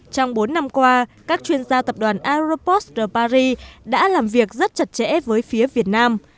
trong bốn năm qua các chuyên gia tập đoàn aropost ở paris đã làm việc rất chặt chẽ với phía việt nam